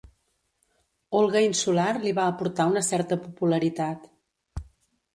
Olga insular li va aportar una certa popularitat.